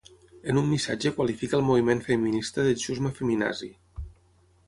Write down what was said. En un missatge qualifica el moviment feminista de “xusma feminazi”.